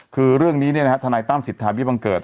คือเรื่องนี้ทนัยต้ามสิทธิ์ภาพวิบังเกิด